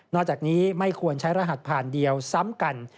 จากนี้ไม่ควรใช้รหัสผ่านเดียวซ้ำกัน